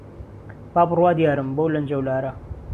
با بڕوات یارم بهو لهنجه و لاره